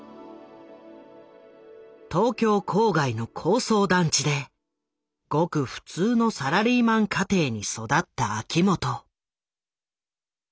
東京郊外の高層団地でごく普通のサラリーマン家庭に育った秋元。